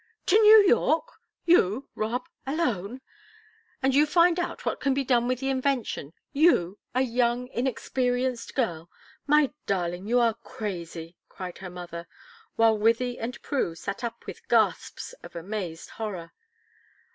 "To New York! You, Rob, alone? And you find out what can be done with the invention, you, a young, inexperienced girl? My darling, you are crazy!" cried her mother, while Wythie and Prue sat up with gasps of amazed horror.